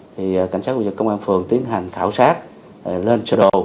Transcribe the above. thì cảnh sát khu vực và công an phường tiến hành khảo sát lên sơ đồ